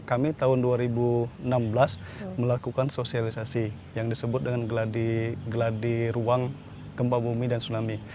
kami tahun dua ribu enam belas melakukan sosialisasi yang disebut dengan geladi ruang gempa bumi dan tsunami